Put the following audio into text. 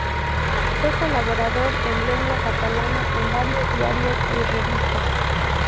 Fue colaborador, en lengua catalana, en varios diarios y revistas.